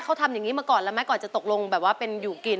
เขาทำอย่างนี้มาก่อนแล้วไหมก่อนจะตกลงแบบว่าเป็นอยู่กิน